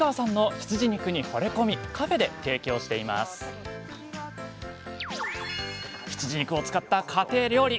羊肉を使った家庭料理。